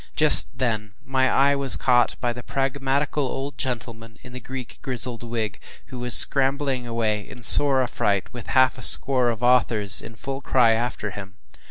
Just then my eye was caught by the pragmatical old gentleman in the Greek grizzled wig, who was scrambling away in sore affright with half a score of authors in full cry after him.